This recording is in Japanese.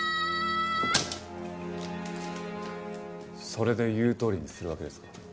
それで言うとおりにするわけですか？